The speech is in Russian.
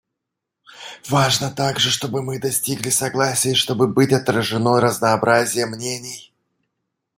Важно также, чтобы мы достигли согласия и чтобы быть отражено разнообразие мнений.